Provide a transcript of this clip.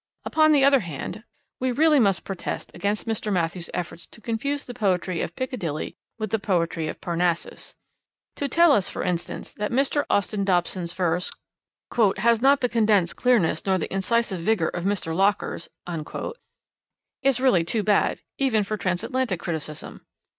Upon the other hand, we really must protest against Mr. Matthews' efforts to confuse the poetry of Piccadilly with the poetry of Parnassus. To tell us, for instance, that Mr. Austin Dobson's verse 'has not the condensed clearness nor the incisive vigor of Mr. Locker's' is really too bad even for Transatlantic criticism.